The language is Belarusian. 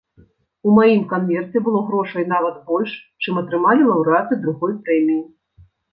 У маім канверце было грошай нават больш, чым атрымалі лаўрэаты другой прэміі!